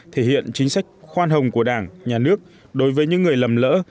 thể hiện chính sách khoan hồng của đảng nhà nước đối với những người lầm lỡ